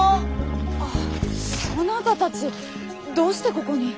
あっそなたたちどうしてここに？